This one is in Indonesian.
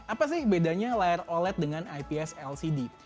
apa sih bedanya layar oled dengan ips lcd